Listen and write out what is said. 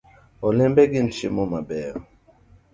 Olembe gin chiemo mabeyo .